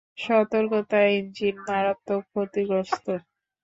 সতর্কতা, ইঞ্জিন মারাত্মক ক্ষতিগ্রস্থ।